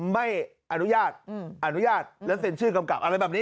ไม่อนุญาตอนุญาตและเซ็นชื่อกำกับอะไรแบบนี้